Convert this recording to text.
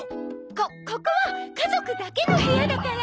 こここは家族だけの部屋だから。